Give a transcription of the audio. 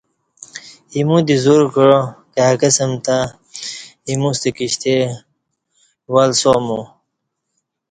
ایمو دی زور کعا کائی قسم تہ اِیموستہ کشتی وہ لسا مو